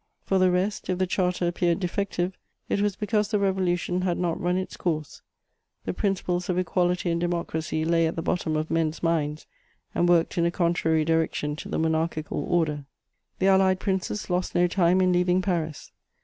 For the rest, if the Charter appeared defective, it was because the Revolution had not run its course; the principles of equality and democracy lay at the bottom of men's minds and worked in a contrary direction to the monarchical order. The Allied Princes lost no time in leaving Paris.